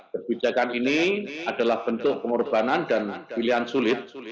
kebijakan ini adalah bentuk pengorbanan dan pilihan sulit